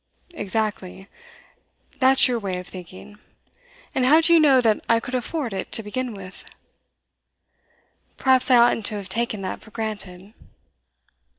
'Exactly. That's your way of thinking. And how do you know that I could afford it, to begin with?' 'Perhaps I oughtn't to have taken that for granted.